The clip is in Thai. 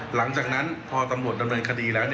หลังจากนั้นพอตำรวจดำเนินคดีแล้ว